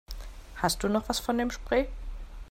Hast du noch was von dem Spray?